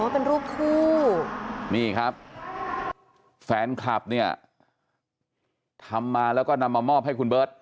เป็นรูปคู่นี่ครับแฟนคลับเนี่ยทำมาแล้วก็นำมามอบให้คุณเบิร์ต